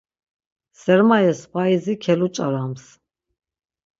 Sermayes faizi keluç̌arams.